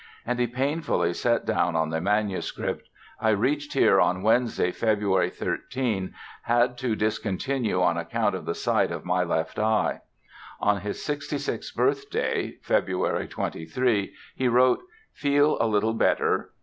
And he painfully set down on the manuscript: "I reached here on Wednesday, February 13, had to discontinue on account of the sight of my left eye." On his 66th birthday (February 23) he wrote "Feel a little better.